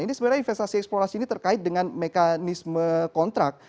ini sebenarnya investasi eksplorasi ini terkait dengan mekanisme kontrak